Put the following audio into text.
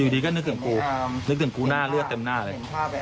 นึกถึงกูหน้าเลือดเต็มหน้าเลย